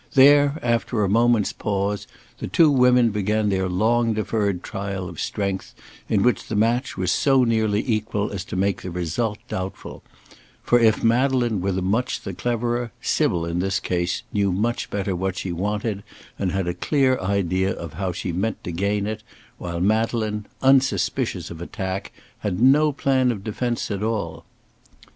There, after a moment's pause, the two women began their long deferred trial of strength, in which the match was so nearly equal as to make the result doubtful; for, if Madeleine were much the cleverer, Sybil in this case knew much better what she wanted, and had a clear idea how she meant to gain it, while Madeleine, unsuspicious of attack, had no plan of defence at all.